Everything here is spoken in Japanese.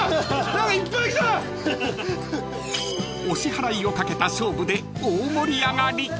［お支払いをかけた勝負で大盛り上がり］